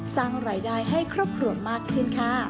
สร้างรายได้ให้ครอบครัวมากขึ้นค่ะ